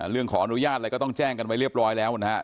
เรื่องขออนุญาตอะไรก็ต้องแจ้งกันไว้เรียบร้อยแล้วนะครับ